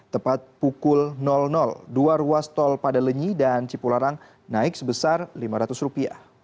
tepat pukul dua ruas tol padalenyi dan cipularang naik sebesar rp lima ratus